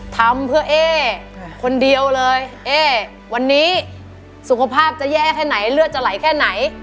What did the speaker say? ทำเพื่อเอ๊คนเดียวเลยเอ๊วันนี้สุขภาพจะแย่แค่ไหนเลือดจะไหลแค่ไหน